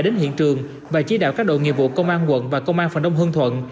đến hiện trường và chỉ đạo các đội nghiệp vụ công an quận và công an phường đông hương thuận